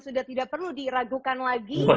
sudah tidak perlu diragukan lagi